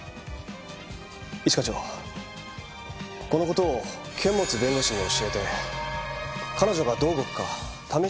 一課長この事を堅物弁護士に教えて彼女がどう動くか試してはどうでしょう？